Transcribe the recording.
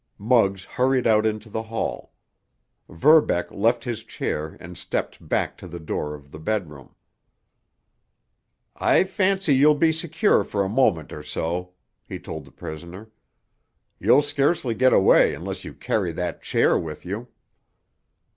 Muggs hurried out into the hall. Verbeck left his chair and stepped back to the door of the bedroom. "I fancy you'll be secure for a moment or so," he told the prisoner. "You'll scarcely get away unless you carry that chair with you."